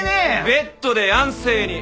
ベッドで安静に。